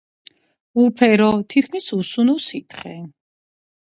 უფერო თითქმის უსუნო სითხე.